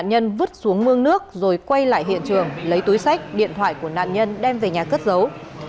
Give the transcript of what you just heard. nạn nhân vứt xuống mương nước rồi quay lại hiện trường lấy túi sách điện thoại của nạn nhân đem về nhà cất giấu